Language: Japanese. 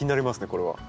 これは。